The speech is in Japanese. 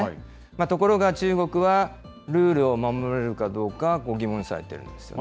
ところが中国はルールを守れるかどうか、疑問視されているんですよね。